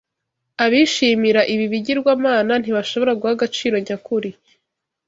Abishimira ibi bigirwamana ntibashobora guha agaciro nyakuri